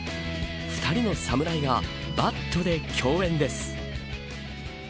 ２人が侍がバットで競演です。